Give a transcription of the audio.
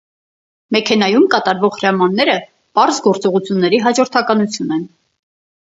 Մեքենայում կատարվող հրամանները պարզ գործողությունների հաջորդականություն են։